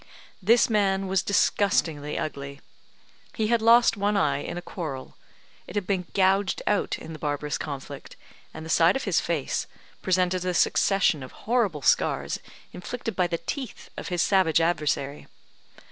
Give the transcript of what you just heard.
This man was disgustingly ugly. He had lost one eye in a quarrel. It had been gouged out in the barbarous conflict, and the side of his face presented a succession of horrible scars inflicted by the teeth of his savage adversary.